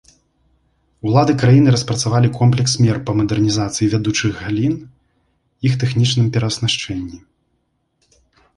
Улады краіны распрацавалі комплекс мер па мадэрнізацыі вядучых галін, іх тэхнічным перааснашчэнні.